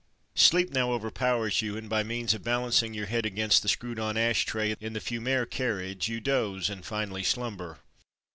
'' Sleep now overpowers you and by means of balancing your head against the screwed on ash tray in the "Fumeur'' carriage, you doze, and finally slumber.